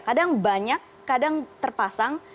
kadang banyak kadang terpasang